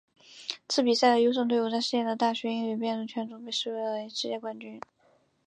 此比赛的优胜队伍在世界的大学英语辩论圈中被视作世界冠军。